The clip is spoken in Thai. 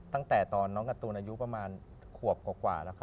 ตั้งแต่ตอนน้องการ์ตูนอายุประมาณขวบกว่าแล้วครับ